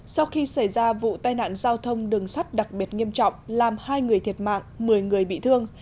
sau khi xảy ra vụ tai nạn giao thông đường sắt đặc biệt nghiêm trọng làm hai người thiệt mạng một mươi người bị thương